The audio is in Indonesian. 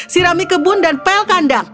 sirami kebun dan pel kandang